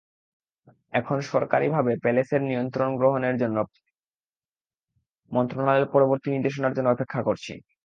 এখন সরকারিভাবে প্যালেসের নিয়ন্ত্রণ গ্রহণের জন্য মন্ত্রণালয়ের পরবর্তী নির্দেশনার জন্য অপেক্ষা করছি।